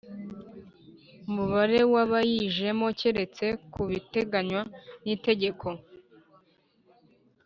Mubare wabayijemo keretse ku biteganywa n itegeko